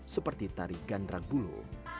seperti tari gandran bulu